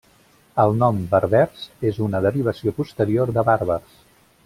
El nom berbers és una derivació posterior de bàrbars.